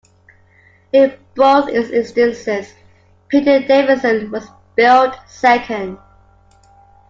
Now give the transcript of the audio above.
In both instances, Peter Davison was billed second.